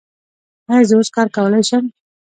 ایا زه اوس کار کولی شم؟